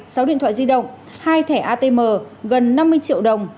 sáu điện thoại di động hai thẻ atm gần năm mươi triệu đồng